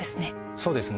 そうですね。